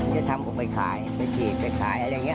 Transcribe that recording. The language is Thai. จะทำก็ไปขายไปฉีดไปขายอะไรอย่างนี้